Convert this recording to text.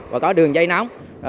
và có đường dây nóng